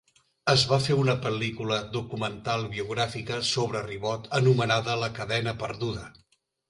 Es va fer una pel·lícula documental biogràfica sobre Ribot anomenada "La Cadena perduda".